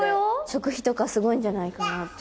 食費とかすごいんじゃないかなって。